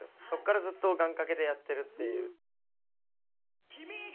そこからずっと願かけでやっているっていう。